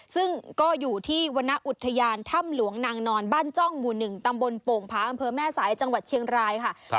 ซึ่งก็อยู่ที่วรรณอุทยานถ้ำหลวงนางนอนบ้านจ้องหมู่๑ตำบลโป่งผาอำเภอแม่สายจังหวัดเชียงรายค่ะ